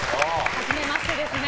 初めましてですね。